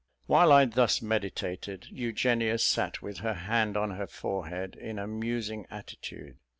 While I thus meditated, Eugenia sat with her hand on her forehead, in a musing attitude.